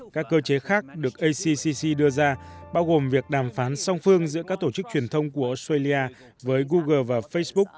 các cơ chế khác được accc đưa ra bao gồm việc đàm phán song phương giữa các tổ chức truyền thông của australia với google và facebook